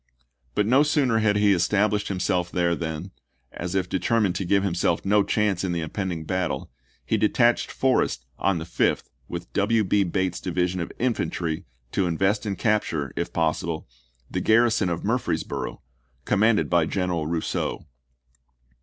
But no sooner had he established himself there than, as if deter mined to give himself no chance in the impending battle, he detached Forrest on the 5th with W. B. Bate's division of infantry to invest and capture, if possible, the garrison of Murfreesboro', commanded by General Rousseau.